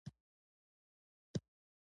دروازه ساتونکي هم خپل رول درلود.